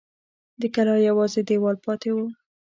د کلا یوازې دېوال پاته و.